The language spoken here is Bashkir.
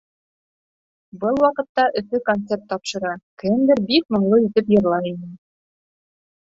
Был ваҡытта Өфө концерт тапшыра, кемдер бик моңло итеп йырлай ине.